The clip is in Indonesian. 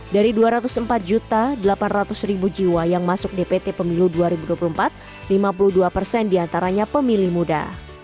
dari dua ratus empat delapan ratus jiwa yang masuk dpt pemilu dua ribu dua puluh empat lima puluh dua persen diantaranya pemilih muda